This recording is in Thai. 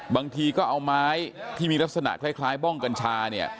บางทีก็เอาไม้ที่มีลักษณะคล้ายบ้องกัญชาเนี่ย